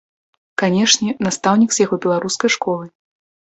Канешне, настаўнік з яго беларускай школай.